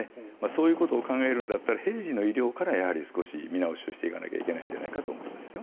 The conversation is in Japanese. そういうことを考えるんだったら平時の医療から少し見直しをしていかないといけないのではと思います。